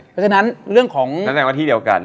เพราะฉะนั้นเรื่องของนักแสดงว่าที่เดียวกัน